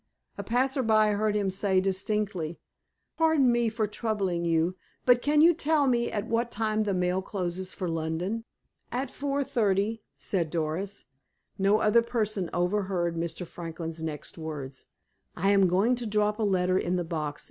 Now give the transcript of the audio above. A passer by heard him say distinctly: "Pardon me for troubling you, but can you tell me at what time the mail closes for London?" "At four thirty," said Doris. No other person overheard Mr. Franklin's next words: "I am now going to drop a letter in the box.